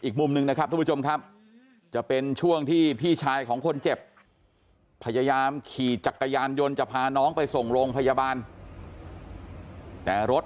เขาก็ร้องไห้ขอโทษขอโทษ